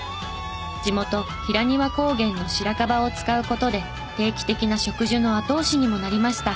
地元平庭高原の白樺を使う事で定期的な植樹の後押しにもなりました。